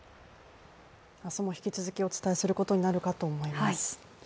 明日も引き続きお伝えすることになるかと思います。